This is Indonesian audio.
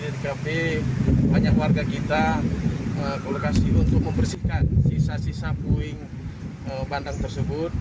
di tkp banyak warga kita ke lokasi untuk membersihkan sisa sisa puing bandang tersebut